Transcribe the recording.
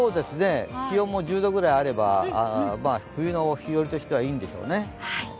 気温も１０度くらいあれば冬の日和としてはいいんでしょうね。